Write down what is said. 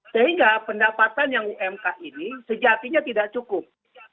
sehingga pendapatan yang umk ini sejatinya tidak cukup